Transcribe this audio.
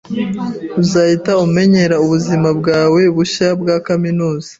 Uzahita umenyera ubuzima bwawe bushya bwa kaminuza.